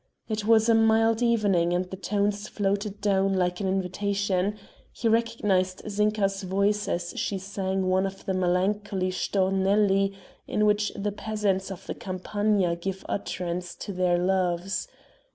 It was a mild evening and the tones floated down like an invitation; he recognized Zinka's voice as she sang one of the melancholy Stornelli in which the peasants of the Campagna give utterance to their loves.